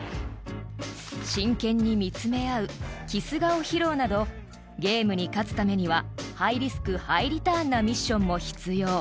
［真剣に見つめ合うキス顔披露などゲームに勝つためにはハイリスクハイリターンなミッションも必要］